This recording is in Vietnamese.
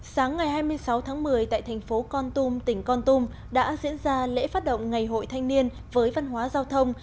sáng ngày hai mươi sáu tháng một mươi tại thành phố con tum tỉnh con tum đã diễn ra lễ phát động ngày hội thanh niên với văn hóa giao thông